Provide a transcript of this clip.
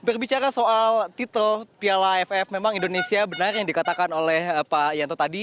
berbicara soal titel piala aff memang indonesia benar yang dikatakan oleh pak yanto tadi